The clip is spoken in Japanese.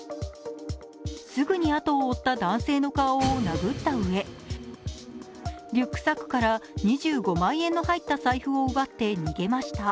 すぐにあとを追った男性の顔を殴ったうえリュックサックから、２５万円の入った財布を奪って逃げました。